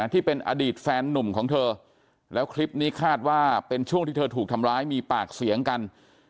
ที่เป็นอดีตแฟนนุ่มของเธอแล้วคลิปนี้คาดว่าเป็นช่วงที่เธอถูกทำร้ายมีปากเสียงกัน